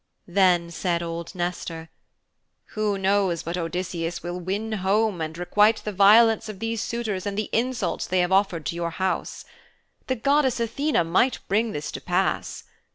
Then said old Nestor, 'Who knows but Odysseus will win home and requite the violence of these suitors and the insults they have offered to your house. The goddess Athene might bring this to pass.